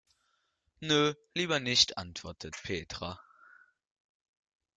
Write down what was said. Nö, lieber nicht, antwortet Petra.